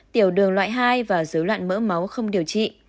tiểu đường loại hai và dối loạn mỡ máu không điều trị